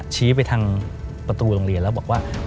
ชี้ไปทางประตูโรงเรียนแล้วบอกว่า